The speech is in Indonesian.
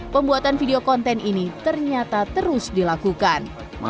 pembuatan video konten ini ternyata terus dilakukan